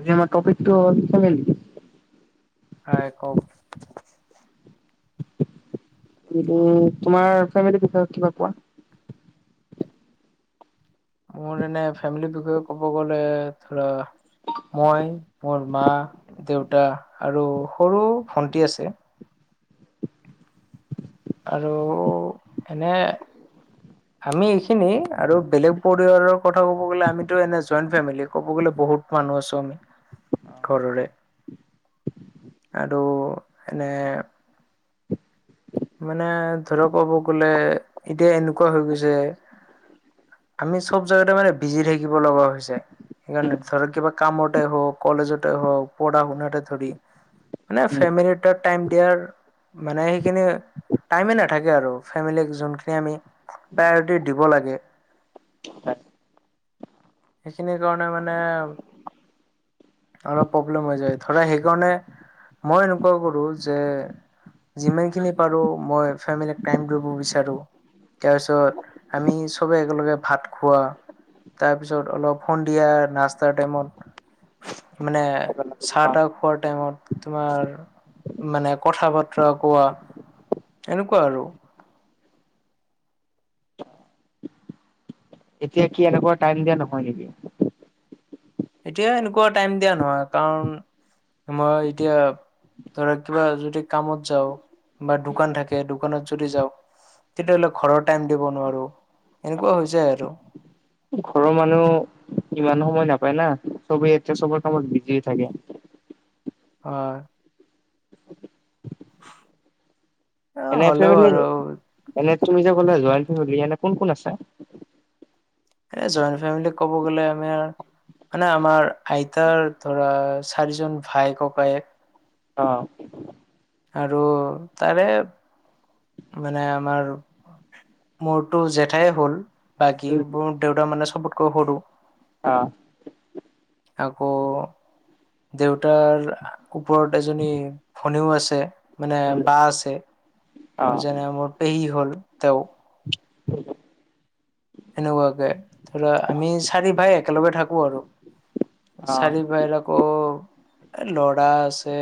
আজি আমাৰ টপিকটো হ'ল খালে নিকি? হয় কওঁক। উম, তোমাৰ ফেমিলি বিষয়ে কিবা কোৱা। মোৰ এনে ফেমিলিৰ বিষয়ে ক'ব গ'লে ধৰা মই মোৰ মা, দেউতা আৰু সৰু ভন্টি আছে। আৰু এনে হয়। আমি এইখিনি আৰু বেলেগ পৰিয়াৰৰ কথা ক'ব গ'লে আমিতো এনে জইণ্ট ফেমিলি ক'ব গ'লে বহুত মানুহ আছো আমি ঘৰৰে। আৰু এনে মানে ধৰক ক'ব গলে এতিয়া এনেকুৱা হৈ গৈছে আমি চব জেগাতে মানে বিজি থাকিব লগা হৈছে। সেইকাৰণে উম ধৰক কিবা কামতে হওক কলেজতে হওক পঢ়া শুনাতে ধৰি মানে উম ফেমিলি তত টাইম দিয়াৰ মানে সেইখিনি টাইমে নাথাকে আৰু ফেমিলিক যোনখিনি আমি প্ৰায়ৰিটি দিব লাগে। সেইখিনি কাৰণে মানে অলপ প্ৰব্লেম হৈ যায় ধৰা সেইকাৰণে মই এনেকুৱা কৰো যে যিমান খিনি পাৰো মই ফেমিলী টাইম দিব বিচাৰো। তাৰ পিছত আমি চবে একেলগে ভাত খোৱা তাৰপিছত অলপ সন্ধিয়া নাস্তাৰ টাইমত মানে চাহ-তাহ খোৱাৰ টাইমত তোমাৰ মানে কথা বতৰা কোৱা এনেকুৱা আৰু। এতিয়া কি এনেকুৱা টাইম দিয়া নহয় নেকি? এতিয়া এনেকুৱা টাইম দিয়া নহয় কাৰণ মই এতিয়া ধৰ কিবা যদি কামত যাওঁ বা দোকান থাকে দোকানত যদি যাওঁ তেতিয়াহ'লে ঘৰৰ টাইম দিব নোৱাৰো এনেকুৱা হৈ যায় আৰু। ঘৰৰ মানুহ ইমান সময় নাপায় না চবেই এতিয়া চবৰ কামত বিজি থাকে। হয়। এনে হ'লেও ফেমিলি আৰু এনে তুমি যে ক'লা জইন্ট ফেমিলি এনে কোন কোন আছে? এ জইণ্ট ফেমিলি ক'ব গ'লে আমি মানে আমাৰ আইতাৰ ধৰা চাৰিজন ভাই ককায়ক অ' আৰু তাৰে মানে আমাৰ মোৰতো জেঠাই হ'ল বাকী মোৰ দেউতা মানে চবতকৈ সৰু অ' আকৌ দেউতাৰ ওপৰত এজনী ভনীও আছে মানে বা আছে অ যেনে মোৰ পেহি হ'ল তেওঁ সেনেকুৱাকে ধৰা আমি চাৰি ভাই একেলগে থাকো আৰু চাৰিভাইৰ আকৌ এ লৰা আছে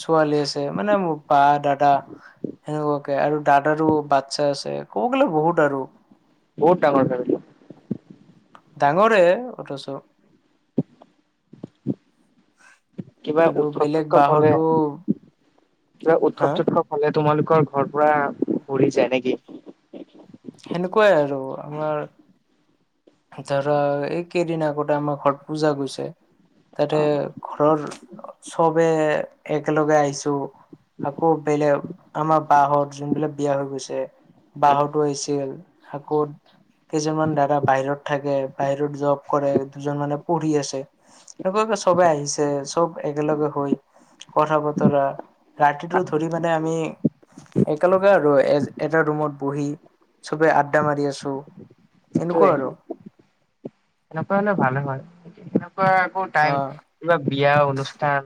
ছোৱালী আছে মানে মোৰ বা দাদা সেনেকুৱাকে আৰু দাদাৰো বাচ্ছা আছে ক'ব গ'লে বহুত আৰু বহত ডাঙৰ ফেমিলি ডাঙৰে অথচ কিবা আৰু বেলেগ উৎসৱ-সুৎসৱ হলে বাহতো কিবা হা উৎসৱ-সুৎসৱ হলে তোমালোকৰ ঘৰ পোৰা ভৰি যায় নেকি সেনেকুৱাই আৰু আমাৰ ধৰা এইকেইদিন আগতে আমাৰ ঘৰত পূজা গৈছে তাতে ঘৰৰ চবে একেলগে আহিছো আকৌ বেলেগ আমাৰ বাঁহত যোনবিলাক বিয়া হৈ গৈছে অ বাঁহতো আহিছিল আকৌ কিছুমান দাদা বাহিৰত থাকে বাহিৰত জব কৰে দুজন মানে পঢ়ি আছে এনেকুৱাকে চবে আহিছে চব একেলগে হৈ কথা বতৰা ৰাতিটো আনন্দ ধৰি মানে ফূৰ্তি আমি একেলগে আৰু এ এটা ৰুমত বহি চবে আড্ডা মাৰি আছো এনেকুৱা সেইটোয়ে আৰু সেনেকুৱা হলে ভালে হয় সেনেকুৱা আকৌ টাইম অ কিবা বিয়া অনুষ্ঠান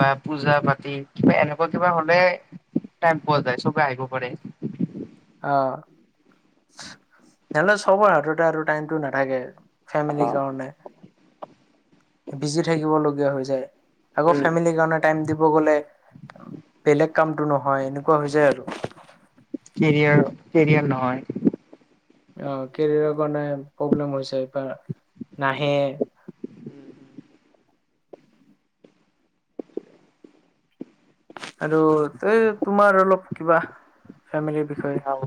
বা পূজা পাতি কিবা এনেকুৱা কিবা হলে টাইম পোৱা যায় চবে আহিব পাৰে অ নহলে চবৰ হাততে আৰু টাইমটো নাথাকে ফেমিলি অ', কাৰণে বিজি থাকিব লগীয়া হৈ যায় আকৌ ফেমিলিৰ কাৰণে টাইম দিব গলে বেলেগ কামটো নহয় এনেকুৱা হৈ যায় আৰু কেৰিয়াৰ কেৰিয়াৰ নহয় অ' কেৰিয়াৰৰ কাৰণে প্ৰব্লেম হৈ যায় বা নাহে আৰু এই তোমাৰ অলপ কিবা ফেমেলিৰ বিষয়ে আৰু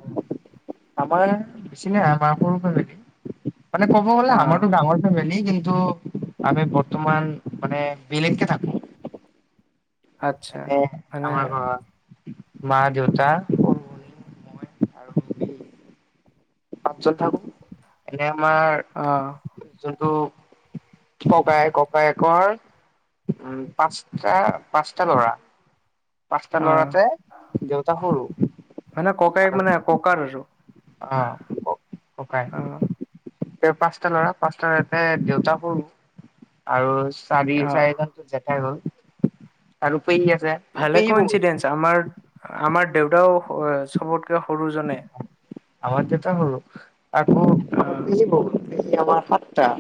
আমাৰ বেছি নাই আমাৰ সৰু ফেমেলি মানে ক'ব গ'লে অ' আমাৰটো ডাঙৰ ফেমিলি কিন্তু আমি বৰ্তমান মানে বিলেগকে থাকো আচ্ছা এনে মানে আমাৰ ঘৰত মা দেউতা সৰু ভনী মই আৰু পাঁচজন থাকো এনে আমাৰ অ' যোনটো ককায়েক ককায়েকৰ উম পাঁচটা পাঁচটা ল'ৰা পাঁচটা অ' ল'ৰাতে দেউতা সৰু মানে ককায়েক আৰু মানে ককাৰ আৰু অ' অ' ককায়েক পাঁচটা ল'ৰা পাঁচটাতে দেউতা সৰু আৰু চাৰি অ' চাৰিজনতো জেঠাই হল আৰু পেহী আছে মোৰ ভালে পেহী বহুত কোইনঞ্চিডেন্ঞ্চ আমাৰ আমাৰ দেউতাও চবতকে সৰু জনে আমাৰ দেউতা সৰু আকৌ আমাৰ অ' পেহী বহুত পেহী আমাৰ সাতটা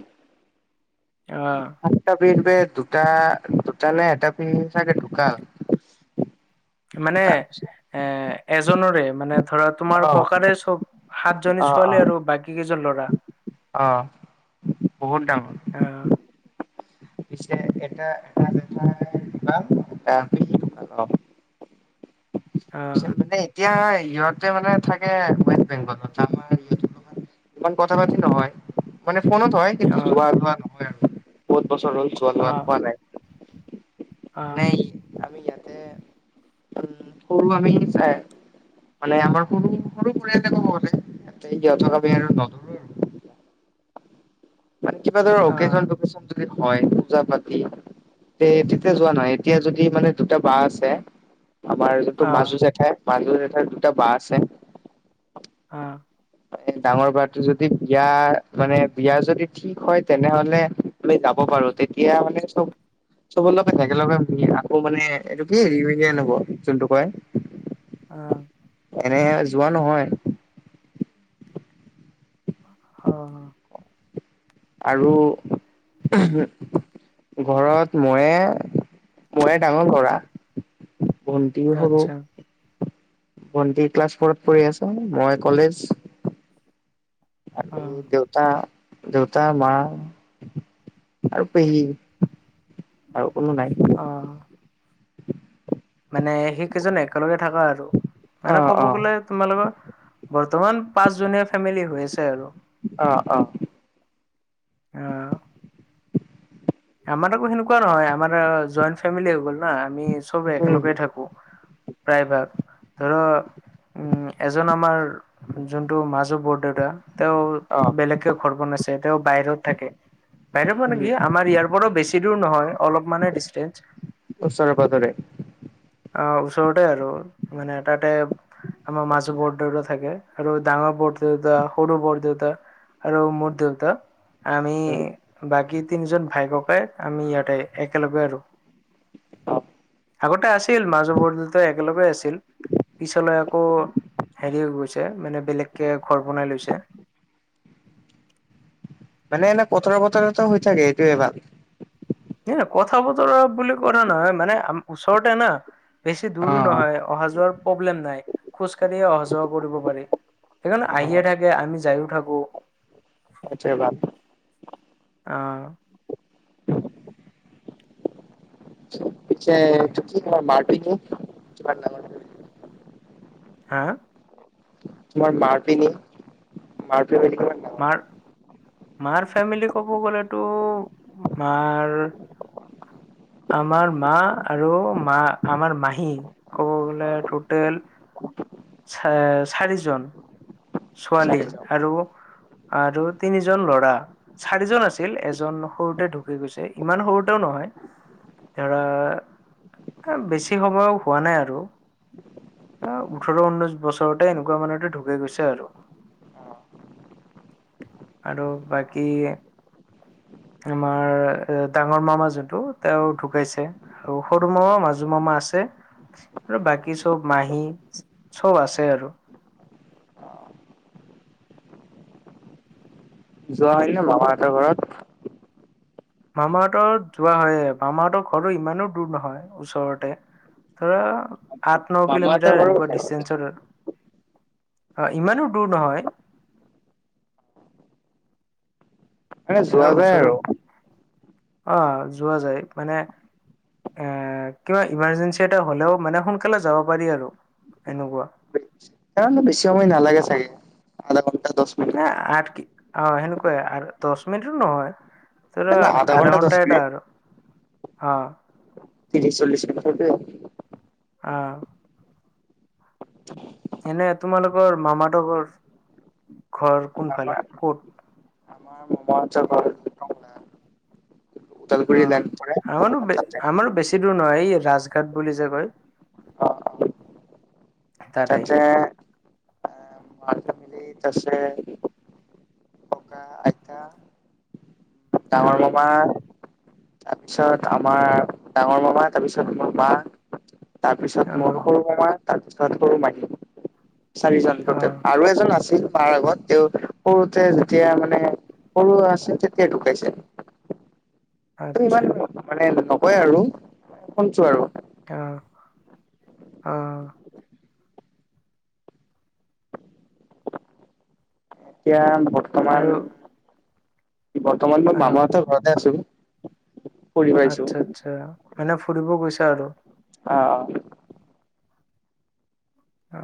অ সাতটা পেহী পৰা দুটা দুটা নে এটা পেহী চাগে ঢুকাল মানে তাৰপিছত এ এজনৰে মানে ধৰা তোমাৰ অ ককাৰে চব সাতজনী অ অ ছোৱালী আৰু বাকী কেইজন ল'ৰা অ বহুত ডাঙৰ অ পিছে এটা এটা জেঠাই ঢুকাল এটা পেহী ঢুকাল অ অ পিছত মানে এতিয়া ইহঁতে মানে থাকে ৱেষ্ট বেংগলত আমাৰ ইয়াত নহয় ইমান কথা-পাতি নহয় মানে ফোনত হয় অ যোৱা ধোৱা নহয় আৰু বহুত বছৰ হ'ল যোৱা অ ধোৱা হোৱা নাই অ'। এনে আমি ইয়াতে উম। [unintelligible] মানে আমাৰ সৰু, সৰু পৰিয়ালয়ে কব গ'লে, এতিয়া ইঁহতক আমি আৰু নথ মানে কিবা ধৰা অ অকেচন টোকেচন যদি হ'য়, পূজা- পাতি তে তেতিয়া যোৱা নাই এতিয়া যদি মানে দুটা বাঁ আছে। আমাৰ যিটো মাজু জেঠাই, মাজু জেঠাৰ দুটা বাঁ আছে। অ'। এ ডাঙৰ বাটো যদি বিয়া মানে বিয়া যদি ঠিক হ'য়, তেনেহ'লে আমি যাব পাৰো, তেতিয়া মানে চব চবৰ লগে একেলগে মিলি আকৌ মানে, এইটো কি ৰিইউনিয়ন হ'ব যোনটো কয়। অ'। এনে যোৱা নহয়। অ'। আৰু ঘৰত ময়ে, ময়ে ডাঙৰ ল'ৰা। ভণ্টিও সৰু। আচ্ছা ভণ্টি ক্লাছ ফৰত পঢ়ি আছে, মই কলেজ। অ আৰু দেউ তা, দেউতা, মা আৰু পেহী। আৰু কোনো নাই। অ'। মানে সেই কেইজন একেলগে থাকো আৰু, অ মানে ক'ব অ গলে তোমালোকৰ, বৰ্তমান পাঁচজনীয়া ফেমিলি হৈ আছে আৰু। অ', অ'। অ আমাৰ আকৌ সেনেকুৱা নহয়, আমাৰ জইণ্ট ফেমিলি হৈ গল ন আমি চব উম একেলগে থাকো প্ৰায় ভাগ, ধৰ উম, এজন আমাৰ যোনটো মাজু বৰদেউতা, তেওঁ অ বেলেগকৈ ঘৰ বনাইছে, তেওঁ বাহিৰত থাকে, বাহিৰত মানে উম, কি আমাৰ ইয়াৰ পৰা বেছি দূৰ নহয়, অলপ মানে ডিচটেন্স। ওচৰে পাজৰে। অ', ওচৰতে আৰু, মানে তাতে আমাৰ মাজু বৰদেউতা থাকে, আৰু ডাঙৰ বৰদউতা, সৰু বৰদউতা আৰু মোৰ দেউতা আমি বাকী তিনিজন ভাই-ককাই, আমি ইয়াতে একেলগে আৰু। অ'। আগতে আছিল মাজো বৰদেউতাই একেলগে আছিল। পিছলৈ আকৌ, হেৰি হৈ গৈছে, মানে বেলেগকে ঘৰ বনাই লৈছে। মানে এনে কথৰা বতৰাতো হৈ থাকে, এইটোয়ে ভাল। হে কথা বতৰা বুলি কথা নহয়, মানে আমাৰ ওচৰতে না বেছি দূৰো অ', নহয় অহা যোৱাত প্ৰব্লেম নাই, খোজ কঢ়িয়ে অহা যোৱা কৰিব পাৰি, সেইকাৰণে আহিয়ে থা কে, আমি যায়ো থাকো। সেইটোৱে ভাল। অ'। পিছে, এইটো কি কই মাৰটিনিউ কিমান ডাঙৰ হা? তোমাৰ মাৰতিনি, মাৰটো ৰেডি কৰা [unintelligible] মাৰ, মাৰ ফেমিলি ক'ব গ'লেতো মাৰ আমাৰ মা আৰু মা আমাৰ মাহী ক'ব গ'লে টোটেল চা-চাৰিজন। ছোৱালী চাৰিজন আৰু আৰু তিনিজন ল'ৰা। চাৰিজন আছিল, এজন সৰুতে ঢুকি গৈছে, ইমান সৰুতেও নহয়। ধৰা বেছি সবয় হোৱা নাই আৰু। এ, ওঠৰ ঊনৈশ বছৰতে এনেকুৱা মানে ঢুকি গৈছে। তে আৰু। অ', আৰু বাকী আমাৰ এ, ডাঙৰ মামা যোনটো তেওঁ ঢুকাইছে। আৰু সৰু মামা, মাজু মামা আছে। আৰু বাকী চব মাহী, চব আছে আৰু। যোৱা হয় ন' মামাহঁতৰ ঘৰত? মামাহঁতৰ যোৱা হয়ে, মামাহঁতৰ ঘৰটো ইমানো দূৰ নহয় ওচৰতে। ধৰা আঠ ন মামাহঁতৰ কিলোমিটাৰ ঘৰো এনেকুৱা ডিষ্টেঞ্চৰ হয়, ইমানো দূৰ নহয়। মানে সেয়া যোৱা যায় ওচৰত। আৰু অ' যোৱা যায় মানে এ, কিবা ইমাৰজেঞ্চি এটা হ'লেও মানে সোনকালে যাব পাৰি আৰু এনেকুৱা। কাৰনে বেছি সময় নালাগে চাগে, আধা ঘণ্টা দহ মিনিট এ, আঠ কি অ' সেনেকুৱাই আৰ দহ মিনিটো নহয়। ধৰা নাই নাই আধা দহ ঘণ্টা এটা মিনিট আৰু, অ'। ত্ৰিশ চল্লিছ মিনিটতে? অ'। এনে তোমালোকৰ মামাহঁতৰ ঘৰ, ঘৰ কোনফালে? ক'ত [unintelligible] অঞ্চল পাহাৰত। লাইন পৰে অ' আমাৰো বে তাতে আমাৰো বেছি দূৰ নহয় এই ৰাজঘাট বুলি যে কয়। অ অ তাতে গেইট আছে। ককা, আইতা, অ ডাঙৰ মামা। তাৰপিছত আমাৰ ডাঙৰ মামা তাৰপিছত মোৰ মা। অ তাৰপিছত মোৰ সৰু মামা তাৰপিছত সৰু মাইী। চাৰিজন অ ট'টেল আৰু এজন আছিল। মাৰ আগত তেওঁ সৰুতে যেতিয়া মানে সৰু আছে তেতিয়া ঢুকাইছে। টো ইমান আচ্ছা মানে নকয় আৰু শুনছোঁ আৰু। অ', অ'। দিয়া নহ আৰু বৰ্তমান মই অ মামাহঁতৰ ঘৰতে আছোঁ। আচ্ছা আচ্ছা। মানে ফুৰিব গৈছা আৰু। অ', অ'। অ'।